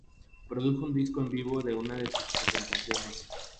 Produjo un disco en vivo de una de sus presentaciones.